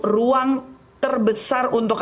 ruang terbesar untuk